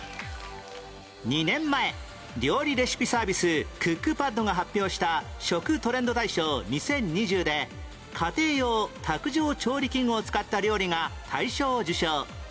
２年前料理レシピサービスクックパッドが発表した食トレンド大賞２０２０で家庭用卓上調理器具を使った料理が大賞を受賞